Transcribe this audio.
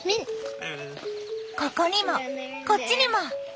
ここにもこっちにも！